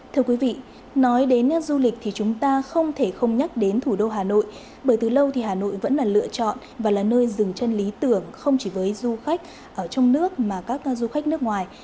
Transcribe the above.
thưa quý vị nói đến du lịch thì chúng ta không thể không nhắc đến thủ đô hà nội bởi từ lâu thì hà nội vẫn là lựa chọn và là nơi dừng chân lý tưởng không chỉ với du khách ở trong nước mà các du khách nước ngoài